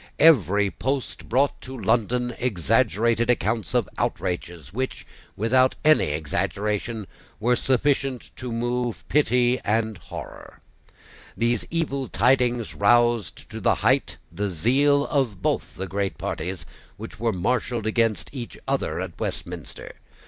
Every post brought to London exaggerated accounts of outrages which, without any exaggeration were sufficient to move pity end horror. These evil tidings roused to the height the zeal of both the great parties which were marshalled against each other at Westminster.